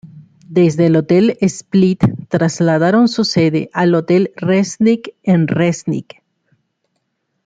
Desde el Hotel Split trasladaron su sede al Hotel Resnik en Resnik.